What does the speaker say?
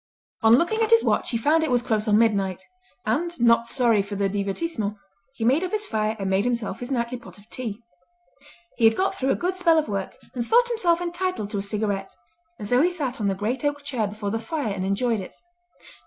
On looking at his watch he found it was close on midnight; and, not sorry for the divertissement, he made up his fire and made himself his nightly pot of tea. He had got through a good spell of work, and thought himself entitled to a cigarette; and so he sat on the great oak chair before the fire and enjoyed it.